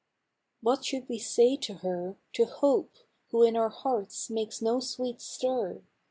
What should we say to her, To Hope, who in our hearts makes no sweet stir?